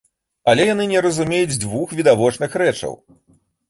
Але яны не разумеюць дзвюх відавочных рэчаў.